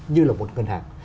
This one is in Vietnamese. như là một ngân hàng